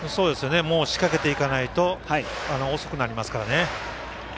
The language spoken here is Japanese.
もう、仕掛けていかないと遅くなりますからね。